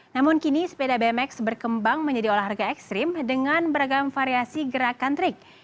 namun kini sepeda bmx berkembang menjadi olahraga ekstrim dengan beragam variasi gerakan trik